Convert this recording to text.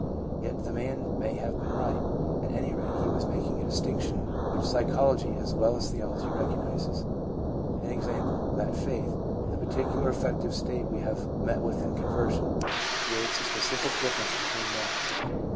Yet the man may have been right ; at any rate he was making a distinction which psychology as well as theology recognizes, *. e. , that faith (the particular affective state we have met with in con version) creates a specific difference between men.